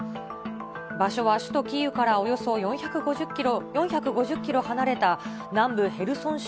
場所は首都キーウからおよそ４５０キロ離れた南部ヘルソン州